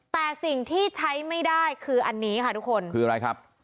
แต่สิ่งที่ใช้ไม่ได้คืออันนี้ค่ะทุกคนคืออะไรครับ